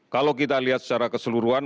kalau kita lihat secara keseluruhan